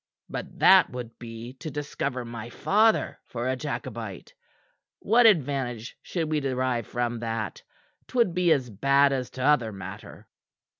"But that would be to discover my father for a Jacobite! What advantage should we derive from that? 'Twould be as bad as t'other matter."